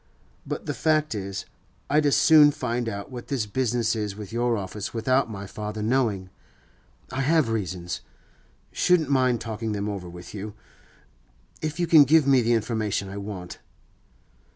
But the fact is, I'd as soon find out what this business is with your office without my father knowing. I have reasons; shouldn't mind talking them over with you, if you can give me the information I want.